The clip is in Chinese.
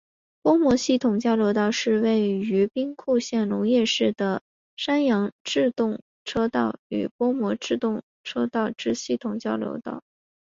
播磨系统交流道是位于兵库县龙野市的山阳自动车道与播磨自动车道之系统交流道。